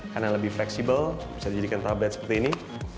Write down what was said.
karena lebih fleksibel bisa dijadikan tablet seperti ini